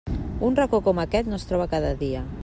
Un racó com aquest no es troba cada dia.